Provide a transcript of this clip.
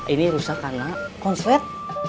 ini rusak karena konslet